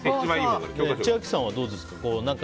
千秋さん、どうですか？